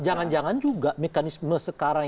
jangan jangan juga mekanisme sekarang